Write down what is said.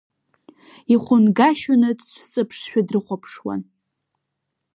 Ихәынгашьаны дцәыҵыԥшшәа дрыхәаԥшуан.